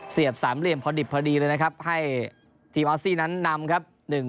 สามเหลี่ยมพอดิบพอดีเลยนะครับให้ทีมออสซี่นั้นนำครับ